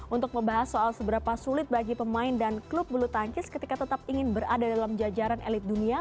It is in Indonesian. untuk membahas soal seberapa sulit bagi pemain dan klub bulu tangkis ketika tetap ingin berada dalam jajaran elit dunia